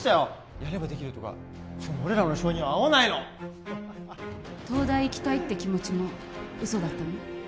やればできるとかそういうの俺らの性に合わないの東大行きたいって気持ちも嘘だったの？